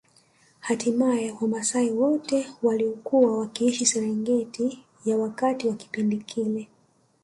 Hatimaye wamaasai wote waliokuwa wakiishi Serengeti ya wakati wa kipindi kile